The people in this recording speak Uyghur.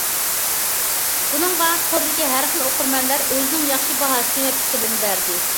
بۇنىڭغا توردىكى ھەر خىل ئوقۇرمەنلەر ئۆزىنىڭ ياخشى باھاسىنى ۋە پىكىرلىرىنى بەردى.